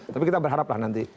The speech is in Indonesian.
tapi kita berharap lah nanti